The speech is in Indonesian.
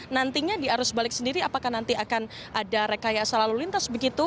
nantinya di arus balik sendiri apakah nanti akan ada rekayasa lalu lintas begitu